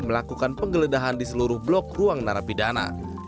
melakukan penggeledahan di seluruh blok ruang narapidana